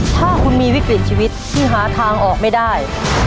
ถ้าคุณมีวิกฤตชีวิตที่หาทางออกไม่ได้